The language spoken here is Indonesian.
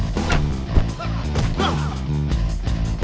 tidak apa apa kamu teh